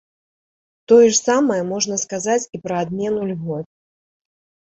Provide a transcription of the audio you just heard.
Тое ж самае можна сказаць і пра адмену льгот.